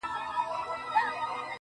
کلونه کیږي بې ځوابه یې بې سواله یې.